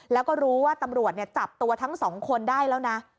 แล้วก็รู้ว่าตำรวจจับตัวทั้งสองคนได้แล้วนะ